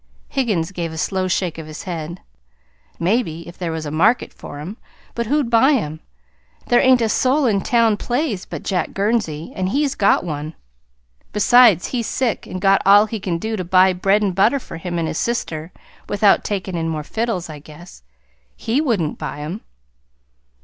Higgins gave a slow shake of his head. "Maybe if there was a market for 'em. But who'd buy 'em? There ain't a soul in town plays but Jack Gurnsey; and he's got one. Besides, he's sick, and got all he can do to buy bread and butter for him and his sister without taking in more fiddles, I guess. HE wouldn't buy 'em."